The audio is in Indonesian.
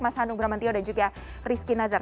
mas handung bramantio dan juga rizky nazar